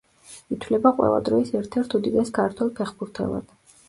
ითვლება ყველა დროის ერთ-ერთ უდიდეს ქართველ ფეხბურთელად.